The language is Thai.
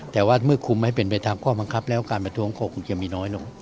แต่ว่าเมื่อคุมให้เป็นไปตามข้อบังคับแล้วการประท้วงก็คงจะมีน้อยลง